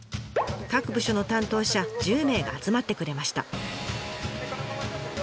各部署の担当者１０名が集まってくれました。